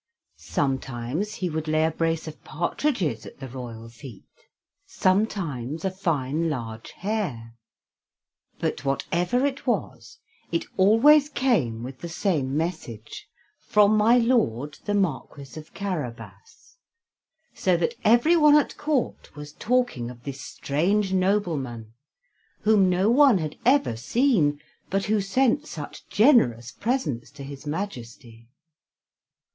Sometimes he would lay a brace of partridges at the royal feet, sometimes a fine large hare, but whatever it was, it always came with the same message: "From my Lord the Marquis of Carabas"; so that everyone at Court was talking of this strange nobleman, whom no one had ever seen, but who sent such generous presents to his Majesty.